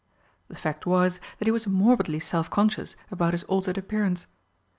The fact was that he was morbidly self conscious about his altered appearance.